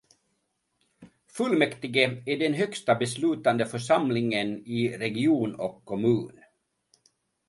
Fullmäktige är den högsta beslutande församlingen i region och kommun.